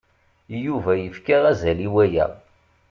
Yuba yefka azal i waya.